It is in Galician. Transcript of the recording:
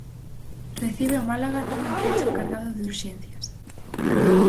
Recibe o Málaga nun encontro cargado de urxencias...